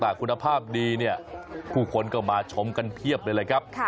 แต่คุณภาพดีเนี่ยผู้คนก็มาชมกันเพียบเลยแหละครับ